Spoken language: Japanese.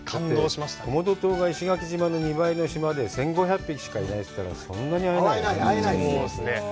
だって、コモド島が石垣島の２倍の大きさで、１５００匹しかいないって言ったら、そんなに会えないよね。